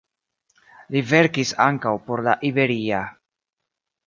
Li verkis ankaŭ por "La Iberia".